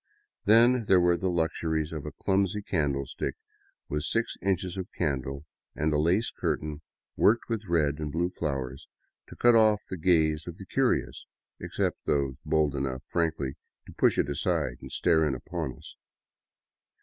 Then there were the luxuries of a clumsy candlestick with six inches of candle, and a lace curtain worked with red and blue flowers to cut off the gaze of the curious, except those bold enough frankly to push it aside and stare in upon us.